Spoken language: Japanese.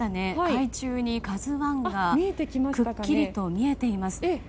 海中に「ＫＡＺＵ１」がくっきりと見えています。